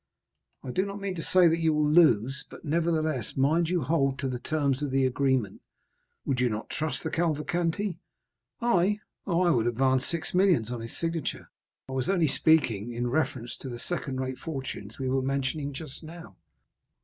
"I do not mean to say you will lose, but, nevertheless, mind you hold to the terms of the agreement." "Would you not trust the Cavalcanti?" "I? oh, I would advance ten millions on his signature. I was only speaking in reference to the second rate fortunes we were mentioning just now."